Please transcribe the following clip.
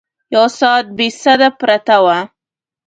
یو ساعت بې سده پرته وه.